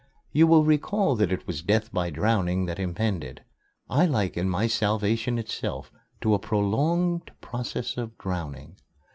You will recall that it was death by drowning that impended. I liken my salvation itself to a prolonged process of drowning.